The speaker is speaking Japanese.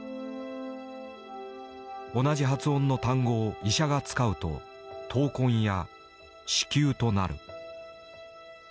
同じ発音の単語を医者が使うと「痘痕」や「子宮」となる。